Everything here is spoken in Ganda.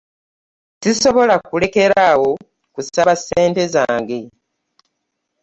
Sisobola kulekera awo kusaba ssente zange.